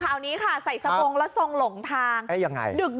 คราวนี้ใส่สปงติแล้วส่งหลงทาง